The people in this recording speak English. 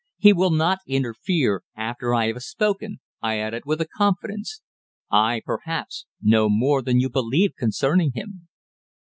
"He will not interfere after I have spoken," I added, with confidence. "I, perhaps, know more than you believe concerning him."